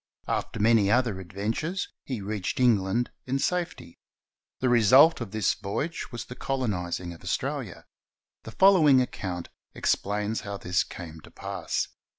After many other adventures, he reached England in safety. The result of this voyage was the colonizing of Australia. The following account explains how this came to pass.